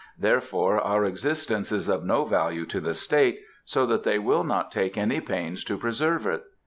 Therefore our existence is of no value to the State, so that they will not take any pains to preserve it.